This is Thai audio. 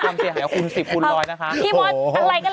ความเสียหายคุณ๑๐คูณร้อยนะคะ